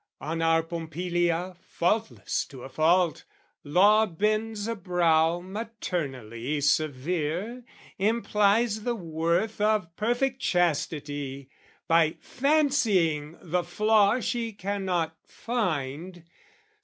On our Pompilia, faultless to a fault, Law bends a brow maternally severe, Implies the worth of perfect chastity, By fancying the flaw she cannot find.